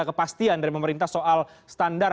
kepastian dari pemerintah soal standar